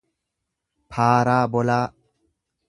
paaraabolaa